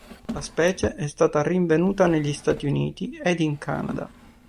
La specie è stata rinvenuta negli Stati Uniti ed in Canada.